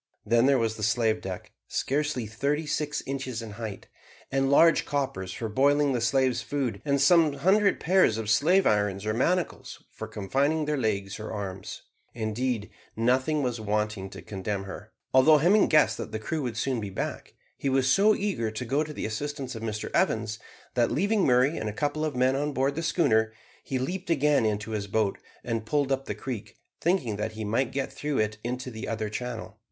Then there was the slave deck, scarcely thirty six inches in height, and large coppers for boiling the slaves' food, and some hundred pairs of slave irons or manacles for confining their legs or arms; indeed, nothing was wanting to condemn her. Although Hemming guessed that the crew would soon be back, he was so eager to go to the assistance of Mr Evans, that leaving Murray and a couple of men on board the schooner, he leaped again into his boat and pulled up the creek, thinking that he might get through it into the other channel.